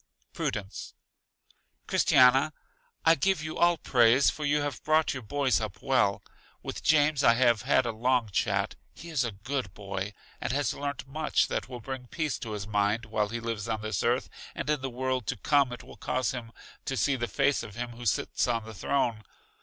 Prudence: Christiana, I give you all praise, for you have brought your boys up well. With James I have had a long chat; he is a good boy, and has learnt much that will bring peace to his mind, while he lives on this earth, and in the world to come it will cause him to see the face of Him who sits on the throne.